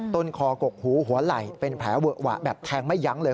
ต้นคอกกหูหัวไหล่เป็นแผลเวอะหวะแบบแทงไม่ยั้งเลย